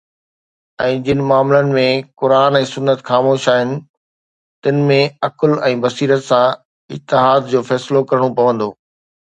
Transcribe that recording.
۽ جن معاملن ۾ قرآن ۽ سنت خاموش آهن، تن ۾ عقل ۽ بصيرت سان اجتهاد جو فيصلو ڪرڻو پوندو.